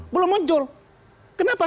belum muncul kenapa